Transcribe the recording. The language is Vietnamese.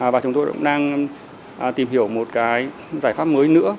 và chúng tôi cũng đang tìm hiểu một cái giải pháp mới nữa